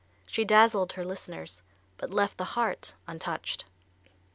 She dazzled her listeners, but left the heart untouched.